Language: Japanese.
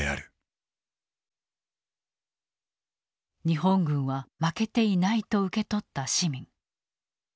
日本軍は負けていないと受け取った市民。